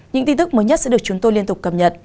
những tin tức mới nhất sẽ được chúng tôi liên tục cập nhật